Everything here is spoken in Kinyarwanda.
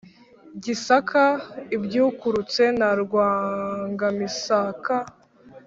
gisaka ibyukurutse na rwangamisaka.